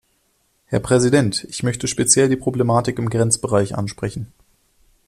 Herr Präsident, ich möchte speziell die Problematik im Grenzbereich ansprechen.